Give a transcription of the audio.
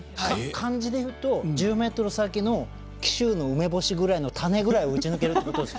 感じで言うと１０ｍ先の紀州の梅干しの種ぐらいを打ち抜けると。